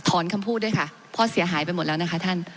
คำพูดด้วยค่ะเพราะเสียหายไปหมดแล้วนะคะท่าน